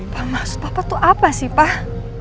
pak maksud papa tuh apa sih pak